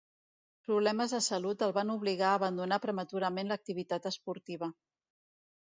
Problemes de salut el van obligar a abandonar prematurament l'activitat esportiva.